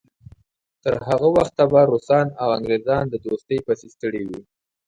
تر هغه وخته به روسان او انګریزان د دوستۍ پسې ستړي وي.